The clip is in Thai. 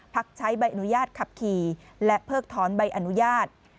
พักใช้ใบอนุญาตขับขี่และเพิกถอนใบอนุญาต